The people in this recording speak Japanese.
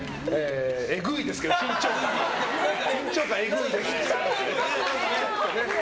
えぐいですけど、緊張感。